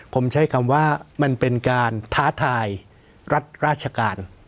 ผมใช้คำว่ามันเป็นการท้าทายรัฐราชการ